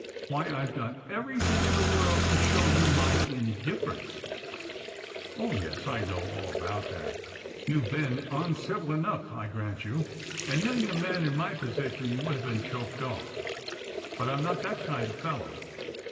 Why, I've done everything in the world to show you my indiff'erence." " 0, yes ; I know aJl about that. You've been uncivil enough, I grant you, and many a man in my position would have beea 184 Strangers and Pilgrimg. cliolied off; but I'm not that kind of fellow.